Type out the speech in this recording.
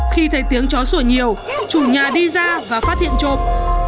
khi thấy tiếng chó sổ nhiều chủ nhà đi ra và phát hiện trộm